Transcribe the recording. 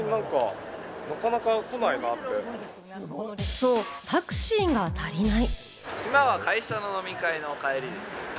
そう、タクシーが足りない。